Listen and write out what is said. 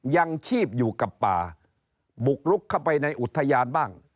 ยังชีพอยู่กับป่าบุกลุกเข้าไปในอุทยานบ้าง